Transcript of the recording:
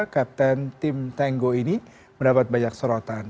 kapten tim tenggo ini mendapat banyak sorotan